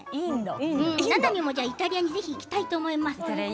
ななみもぜひイタリアに行きたいと思います。